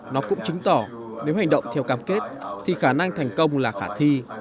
nó cũng chứng tỏ nếu hành động theo cam kết thì khả năng thành công là khả thi